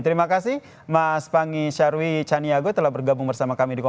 terima kasih mas pangisarwi caniago telah bergabung bersama kami